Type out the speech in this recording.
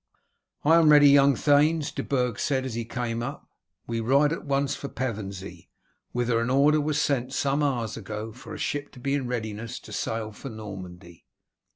"I am ready, young thanes," De Burg said as he came up. "We ride at once for Pevensey, whither an order was sent some hours ago for a ship to be in readiness to sail for Normandy."